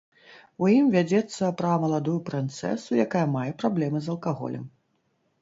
У ім вядзецца пра маладую прынцэсу, якая мае праблемы з алкаголем.